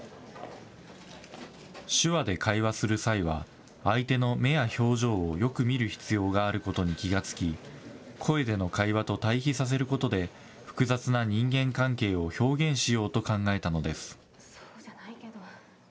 手話で会話する際は、相手の目や表情をよく見る必要があることに気が付き、声での会話と対比させることで、複雑な人間関係を表現しようと考えたのです。